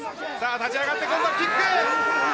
立ち上がって、今度はキック！